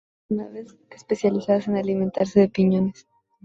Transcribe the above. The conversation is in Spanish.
Son aves especializadas en alimentarse de piñones.